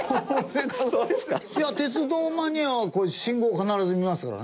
鉄道マニアはこれ信号必ず見ますからね。